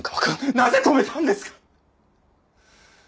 なぜ止めたんですか！？